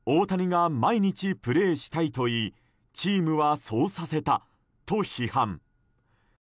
大谷が毎日プレーしたいと言いチームはそうさせたと批判。